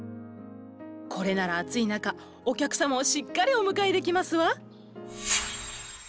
これなら暑い中お客様をしっかりお迎えできますわ。